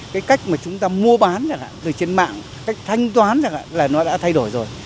cái cách mà chúng ta mua bán từ trên mạng cách thanh toán là nó đã thay đổi rồi